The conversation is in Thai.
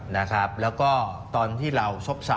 นะครับแล้วก็ตอนที่เราซบสระ